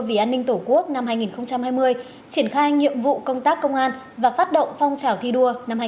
vì an ninh tổ quốc năm hai nghìn hai mươi triển khai nhiệm vụ công tác công an và phát động phong trào thi đua